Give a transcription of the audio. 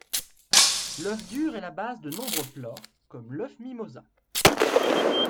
L’œuf dur est la base de nombreux plats, comme l’œuf mimosa.